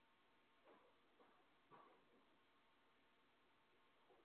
مذہب ایک اخلاقی قوت اور مابعد الطبیعیاتی امر ہے۔